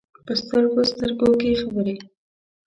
په سترګو، سترګو کې خبرې ،